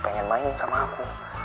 pengen main sama aku